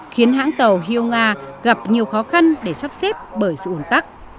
khiến hãng tàu hiêu nga gặp nhiều khó khăn để sắp xếp bởi sự ổn tắc